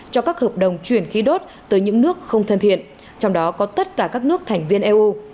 cho các hợp đồng chuyển khí đốt tới những nước không thân thiện trong đó có tất cả các nước thành viên eu